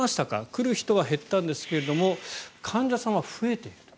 来る人は減ったんですけど患者さんは増えていると。